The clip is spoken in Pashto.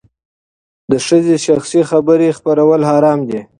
د ښځې شخصي خبرې خپرول حرام دي.